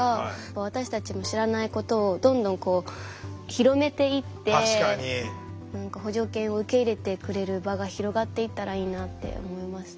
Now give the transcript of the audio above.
私たちの知らないことをどんどん広めていって補助犬を受け入れてくれる場が広がっていったらいいなって思いましたね。